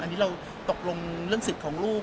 อันนี้เราตกลงเรื่องสิทธิ์ของลูก